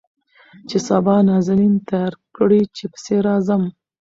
چې سبا نازنين تيار کړي چې پسې راځم.